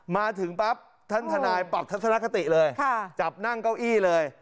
มาถึงปั๊บท่านทนายปรับทัศนคติเลยจับนั่งเก้าอี้เลย